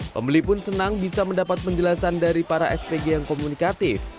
pembeli pun senang bisa mendapat penjelasan dari para spg yang komunikatif